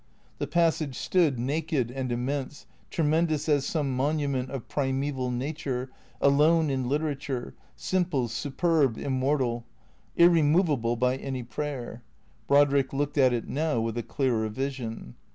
The passage stood, naked and immense, tre mendous as some monument of primeval nature, alone in litera ture, simple, superb, immortal ; irremovable by any prayer. Brodrick looked at it now with a clearer vision.